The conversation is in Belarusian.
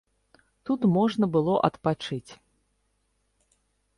Тут можна было адпачыць.